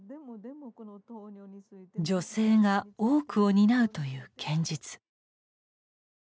女性が多くを担うという現実。